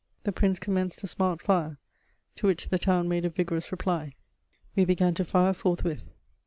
The Prince commenced a smart fire, to which the town made a vigorous reply. We began to fire forthwith.